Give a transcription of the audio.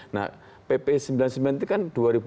nah pp sembilan puluh sembilan itu kan dua ribu dua puluh